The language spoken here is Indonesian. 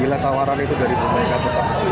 bila tawaran itu dari pemerintah tetap